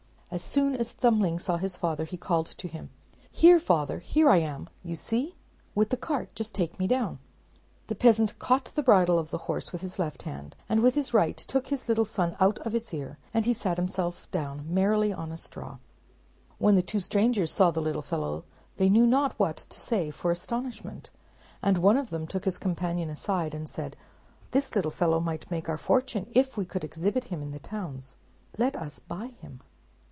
As soon as Thumbling saw his father, he called to him, "Here, father; here I am, you see, with the cart; just take me down." The peasant caught the bridle of the horse with his left hand, and with his right took his little son out of its ear; and he sat himself down merrily on a straw. When the two strangers saw the little fellow, they knew not what to say for astonishment; and one of them took his companion aside, and said, "This little fellow might make our fortune if we could exhibit him in the towns. Let us buy him."